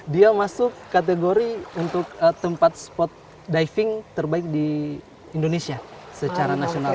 dia masuk kategori untuk tempat spot diving terbaik di indonesia secara nasional